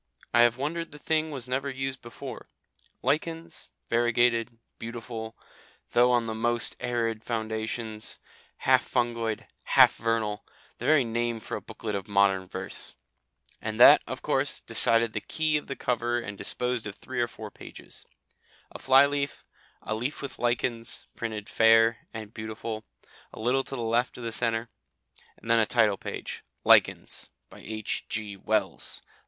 I have wondered the thing was never used before. Lichens, variegated, beautiful, though on the most arid foundations, half fungoid, half vernal the very name for a booklet of modern verse. And that, of course, decided the key of the cover and disposed of three or four pages. A fly leaf, a leaf with "Lichens" printed fair and beautiful a little to the left of the centre, then a title page "Lichens. By H.G. Wells.